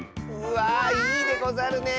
わあいいでござるね。